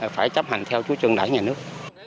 phải chấp hành theo chú trương đại nhà nước